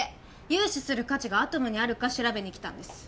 融資する価値がアトムにあるか調べに来たんです